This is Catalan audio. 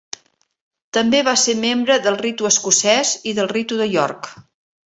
També va ser membre del ritu Escocès i del ritu de York.